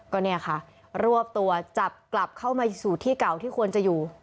ก็เนี่ยค่ะรวบตัวจับกลับเข้ามาสู่ที่เก่าที่ควรจะอยู่